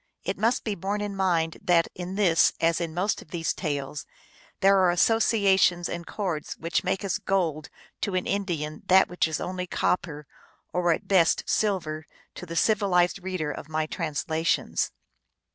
It must be borne in mind that in this, as in most of these tales, there are associations and chords which make as gold to an Indian that which is only copper, or at best silver, to the civilized reader of my translations.